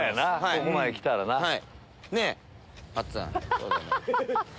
ここまできたらな。ねぇ。